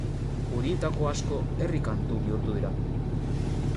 Horietako asko herri-kantu bihurtu dira.